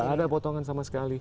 gak ada potongan sama sekali